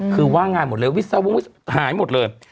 คือว่างงานหมดเลยวิสวงหายหมดเลย